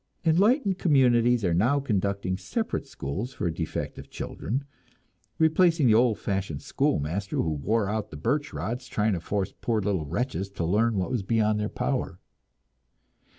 Enlightened communities are now conducting separate schools for defective children replacing the old fashioned schoolmaster who wore out birch rods trying to force poor little wretches to learn what was beyond their power.